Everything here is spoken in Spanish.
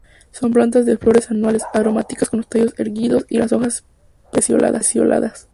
Son plantas de flores anuales, aromáticas con los tallos erguidos y las hojas pecioladas.